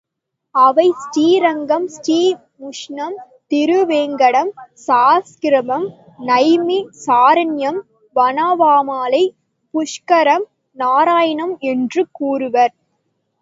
அவை ஸ்ரீரங்கம், ஸ்ரீமுஷ்ணம், திருவேங்கடம், ஸாளக்கிராமம், நைமி, சாரண்யம், வானவாமலை, புஷ்கரம், நாராயணம் என்றும் கூறுவர்.